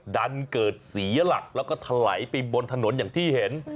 ดันเกิดเสียหลักแล้วก็ถลายไปบนถนนอย่างที่เห็น